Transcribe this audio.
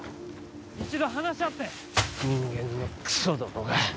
一度話し合って人間のクソどもが！